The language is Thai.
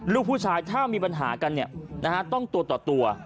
ลูกผู้ชายถ้ามีปัญหากันต้องตัวต่อตัว